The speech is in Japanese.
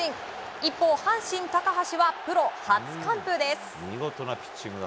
一方、阪神高橋はプロ初完封です。